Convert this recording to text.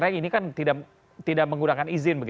ada yang dihubungkan untuk menghidupkan foto prawedding di sana